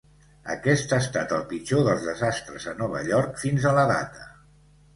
Aquest ha estat el pitjor dels desastres a Nova York fins a la data.